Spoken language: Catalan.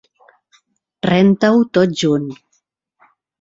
Renta-ho tot junt.